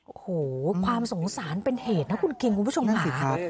โอ้โหความสงสารเป็นเหตุนะคุณคิงคุณผู้ชมค่ะ